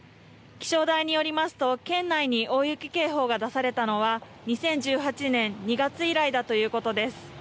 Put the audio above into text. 気象台によりますと県内に大雪警報が出されたのは２０１８年２月以来だということです。